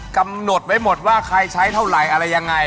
กำหนดไว้หมดว่าใครใช้เท่าไหร่อะไรยังไง